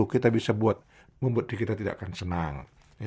kita bisa membuat diri kita tidak akan senang